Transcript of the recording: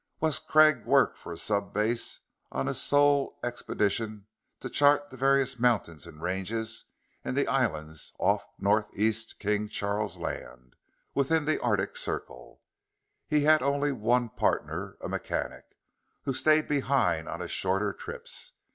Wes Craig worked from a sub base on his sole expeditions to chart the various mountains and ranges in the islands off north east King Charles Land, within the Arctic Circle. He had only one partner, a mechanic, who stayed behind on his shorter trips.